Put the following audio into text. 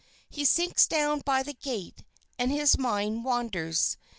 He sinks down by the gate and his mind wanders.